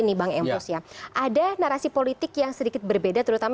nanti akan kita bahas lebih dalam ya